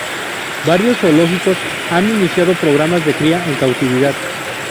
Varios zoológicos han iniciado programas de cría en cautividad.